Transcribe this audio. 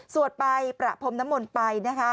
ไปประพรมน้ำมนต์ไปนะคะ